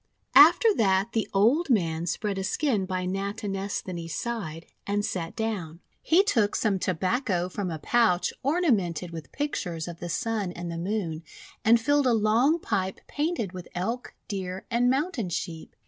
After that the old man spread a skin by Natinesthani's side and sat down. He took 368 THE WONDER GARDEN some Tobacco from a pouch ornamented with pictures of the Sun and the Moon, and filled a long pipe painted with Elk, Deer, and Mountain sheep.